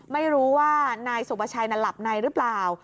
ไม่รู้ว่านายสุประชัยนั้นหลับในหรือเปล่า